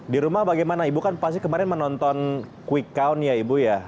di rumah bagaimana ibu kan pasti kemarin menonton quick count ya ibu ya